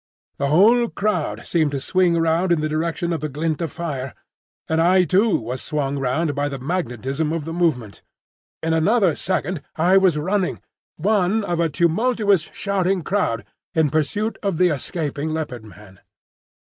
The whole crowd seemed to swing round in the direction of the glint of fire, and I too was swung round by the magnetism of the movement. In another second I was running, one of a tumultuous shouting crowd, in pursuit of the escaping Leopard man.